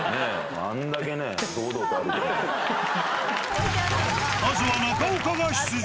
あんだけね、まずは中岡が出陣。